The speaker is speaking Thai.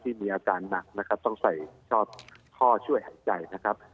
มีอาการหนักนะครับต้องใส่ชอดท่อช่วยหายใจนะครับ